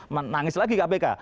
menangis lagi kpk